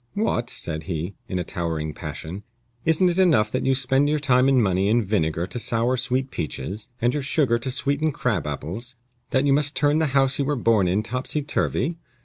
"What!" said he, in a towering passion, "isn't it enough that you spend your time and money in vinegar to sour sweet peaches, and your sugar to sweeten crab apples, that you must turn the house you were born in topsy turvy?